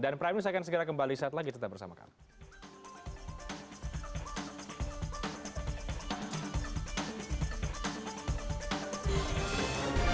dan pramil saya akan segera kembali saat lagi tetap bersama kami